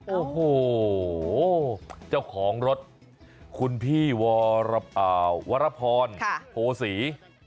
โอ้โหเจ้าของรถคุณพี่วรพรโพศี